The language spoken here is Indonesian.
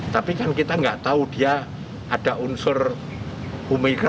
tapi kan kita nggak tahu dia ada unsur omikron